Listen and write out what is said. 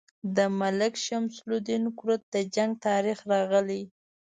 د ملک شمس الدین کرت د جنګ تاریخ راغلی.